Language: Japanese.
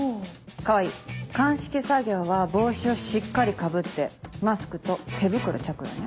川合鑑識作業は帽子をしっかりかぶってマスクと手袋着用ね。